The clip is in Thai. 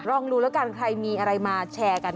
ลองดูแล้วกันใครมีอะไรมาแชร์กัน